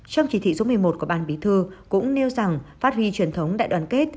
trong chỉ thị số một mươi một của ban bí thư cũng nêu rằng phát huy truyền thống đại đoàn kết